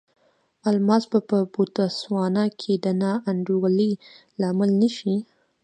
الماس به په بوتسوانا کې د نا انډولۍ لامل نه شي.